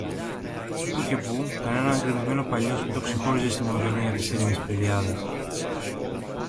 Πού και πού, κανένα γκρεμισμένο παλιόσπιτο ξεχώριζε στη μονοτονία της έρημης πεδιάδας.